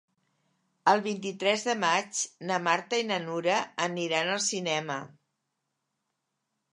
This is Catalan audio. El vint-i-tres de maig na Marta i na Nura aniran al cinema.